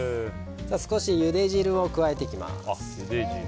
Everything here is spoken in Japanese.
少し、ゆで汁を加えていきます。